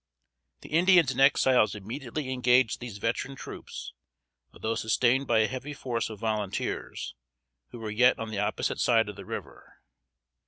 The Indians and Exiles immediately engaged these veteran troops, although sustained by a heavy force of volunteers, who were yet on the opposite side of the river.